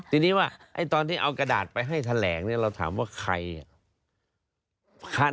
ทีนี้ว่าตอนที่เอากระดาษไปให้แถลงเนี่ยเราถามว่าใคร